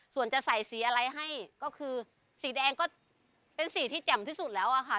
ส่วนจะใส่สีอะไรให้ก็คือสีแดงก็เป็นสีที่แจ่มที่สุดแล้วอะค่ะ